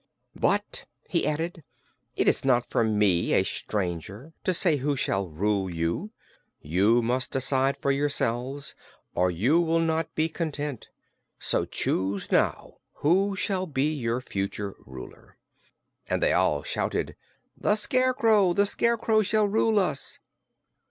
"But," he added, "it is not for me, a stranger, to say who shall rule you. You must decide for yourselves, or you will not be content. So choose now who shall be your future ruler." And they all shouted: "The Scarecrow! The Scarecrow shall rule us!"